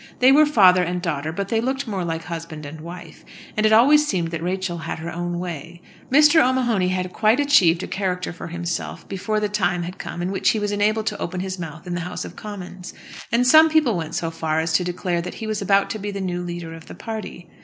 They were father and daughter, but they looked more like husband and wife, and it always seemed that Rachel had her own way. Mr. O'Mahony had quite achieved a character for himself before the time had come in which he was enabled to open his mouth in the House of Commons. And some people went so far as to declare that he was about to be the new leader of the party.